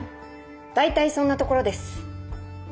大体そんなところです。